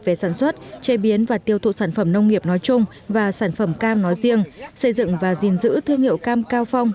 về sản xuất chế biến và tiêu thụ sản phẩm nông nghiệp nói chung và sản phẩm cam nói riêng xây dựng và gìn giữ thương hiệu cam cao phong